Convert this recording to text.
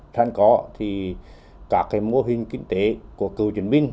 thành có thì các cái mô hình kinh tế của cựu chiến binh